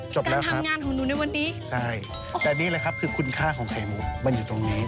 จบแล้วครับใช่แต่นี่แหละครับคือคุณค่าของไข่มุกมันอยู่ตรงนี้